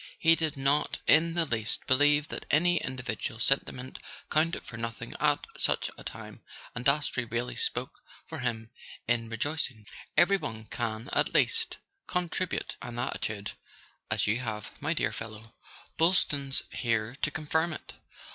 He did not in the least believe that any individual sentiment counted for nothing at such a time, and Dastrey really spoke for him in re¬ joining: "Every one can at least contribute an atti [ 189 ] A SON AT THE FRONT tude: as you have, my dear fellow. Boylston's here to confirm it."